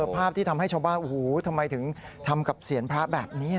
ภาพที่ทำให้ชาวบ้านโอ้โหทำไมถึงทำกับเสียงพระแบบนี้